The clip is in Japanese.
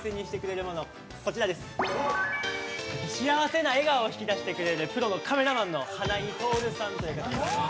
幸せな笑顔を引き出してくれるカメラマンの花井透さんという方です。